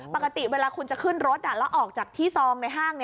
ปกติเวลาคุณจะขึ้นรถแล้วออกจากที่ซองในห้าง